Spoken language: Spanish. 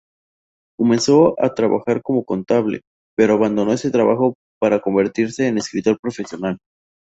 Comenzó a trabajar como contable, pero abandonó este trabajo para convertirse en escritor profesional.